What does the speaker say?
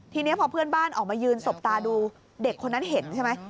ทีนี้พอเพื่อนบ้านออกมายืนสบตาดูเด็กคนนั้นเห็นใช่ไหม